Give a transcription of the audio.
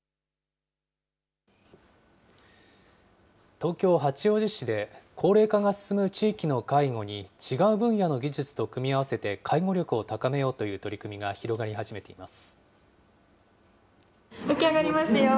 東京・八王子市で高齢化が進む地域の介護に違う分野の技術と組み合わせて、介護力を高めようという取り組みが広がり始めています。